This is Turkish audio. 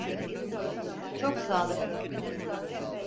Çok sağlıklı.